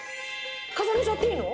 重ねちゃっていいの？